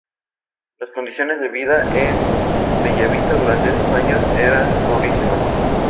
Las condiciones de vida en Bellavista durante esos años eran durísimas.